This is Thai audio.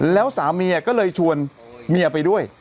แล้วสามีก็เลยชวนเมียไปด้วย